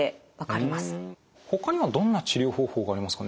ほかにはどんな治療方法がありますかね？